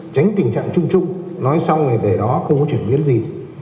tránh tình trạng trung trung nói xong về đó không có chuyển biến gì